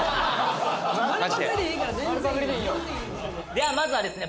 ではまずはですね